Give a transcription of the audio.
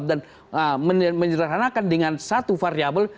dan menjelanakan dengan satu variable